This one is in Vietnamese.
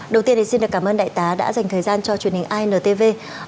đầu tiên thì xin được cảm ơn đại tá đã dành thời gian cho truyền hình intv